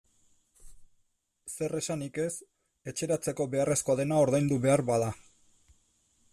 Zer esanik ez etxeratzeko beharrezkoa dena ordaindu behar bada.